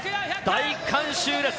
大観衆です。